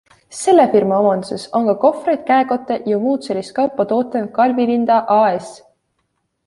Selle firma omanduses on ka kohvreid, käekotte jms kaupa tootev Galvi-Linda AS.